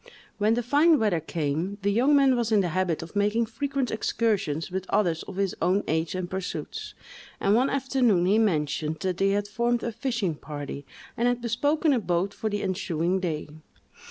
When the fine weather came, the young man was in the habit of making frequent excursions with others of his own age and pursuits; and one afternoon he mentioned that they had formed a fishing party, and had bespoken a boat for the ensuing day.